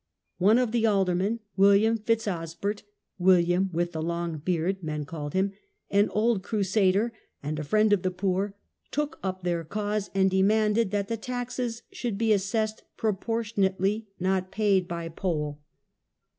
One of the aldermen, William Fitz Osbert —" William with the long beard " men called him — an old Crusader and a friend of the poor, took up their cause, and demanded that the taxes should be assessed pro portionately, not paid * by poll